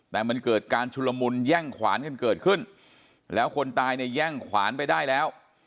แต่มันเกิดการชุลมุนแย่งขวานกันเกิดขึ้นแล้วคนตายเนี่ยแย่งขวานไปได้แล้ว